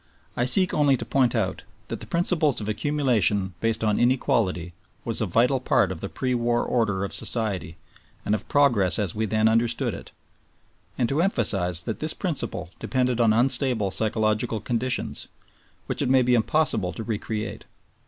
I seek only to point out that the principle of accumulation based on inequality was a vital part of the pre war order of Society and of progress as we then understood it, and to emphasize that this principle depended on unstable psychological conditions, which it may be impossible to recreate.